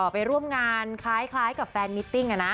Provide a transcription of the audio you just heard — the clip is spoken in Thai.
ไปร่วมงานคล้ายกับแฟนมิตติ้ง